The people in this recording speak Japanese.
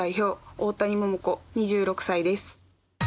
大谷桃子、２６歳です。